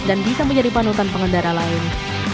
dan bisa menjadi panutan pengendara lain